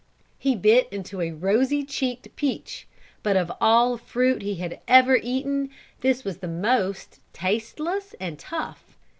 He bit into a rosy cheeked peach, but of all fruit he had ever eaten, this was the most tasteless and tough.